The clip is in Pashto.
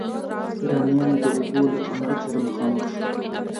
ایرانیانو د اوبو له کمبود سره مخامخ شو.